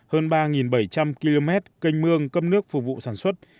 hơn ba bảy trăm linh km kênh mương cấp nước phục vụ sản xuất